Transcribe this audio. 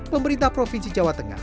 pemerintah provinsi jawa tengah